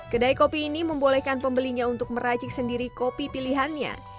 kedai kopi ini membolehkan pembelinya untuk meracik sendiri kopi pilihannya